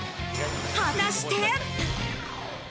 果たして。